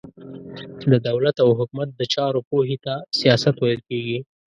د دولت او حکومت د چارو پوهي ته سياست ويل کېږي.